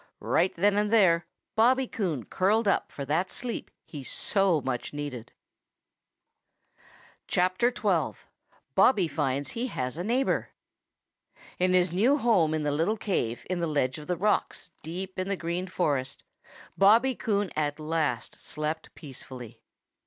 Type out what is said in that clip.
Right then and there Bobby Coon curled up for that sleep he so much needed. XXII. BOBBY FINDS HE HAS A NEIGHBOR |IN his new home in the little cave in the ledge of rocks deep in the Green Forest Bobby Coon at last slept peacefully.